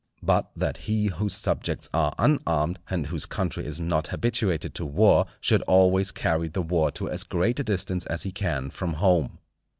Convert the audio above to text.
But that he whose subjects are unarmed, and whose country is not habituated to war, should always carry the war to as great a distance as he can from home.